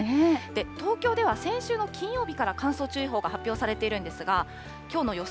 東京では先週の金曜日から乾燥注意報が発表されているんですが、きょうの予想